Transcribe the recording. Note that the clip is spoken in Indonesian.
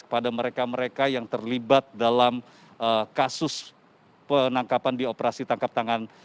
kepada mereka mereka yang terlibat dalam kasus penangkapan di operasi tangkap tangan